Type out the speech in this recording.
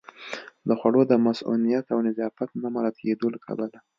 د خوړو د مصئونیت او نظافت نه مراعت کېدو له کبله